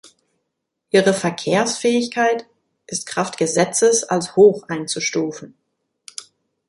Ihre Verkehrsfähigkeit ist kraft Gesetzes als hoch einzustufen.